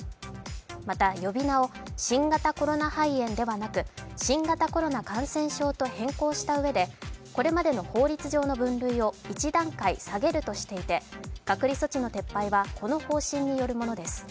また、呼び名を、新型コロナ肺炎ではなく、新型コロナ感染症と変更したうえでこれまでの法律上の分類を１段階下げるとしていて隔離措置の撤廃はこの方針によるものです。